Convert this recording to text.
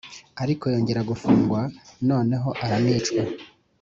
ariko yongera gufungwa noneho aranicwa.